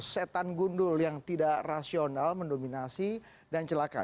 setan gundul yang tidak rasional mendominasi dan celaka